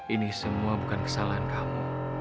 ini semua bukan kesalahan kamu